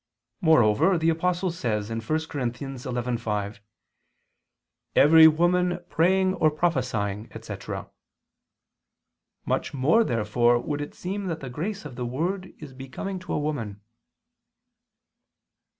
Moreover the Apostle says (1 Cor. 11:5): "Every woman praying or prophesying," etc. Much more therefore would it seem that the grace of the word is becoming to a woman.